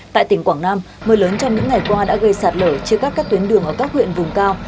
tại tỉnh quảng nam mưa lớn trong những ngày qua đã gây sạt lở chia cắt các tuyến đường ở các huyện vùng cao